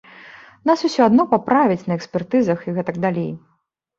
Нас усё адно паправяць на экспертызах і гэтак далей.